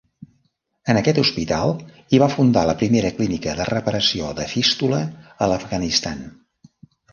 En aquest hospital hi va fundar la primera clínica de reparació de fístula a l'Afganistan.